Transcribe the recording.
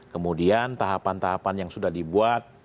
kemudian tahapan tahapan yang sudah dibuat